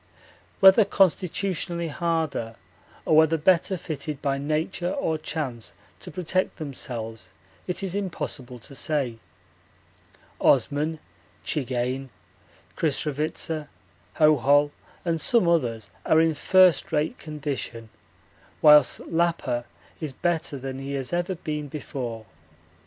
Whether constitutionally harder or whether better fitted by nature or chance to protect themselves it is impossible to say Osman, Czigane, Krisravitsa, Hohol, and some others are in first rate condition, whilst Lappa is better than he has ever been before.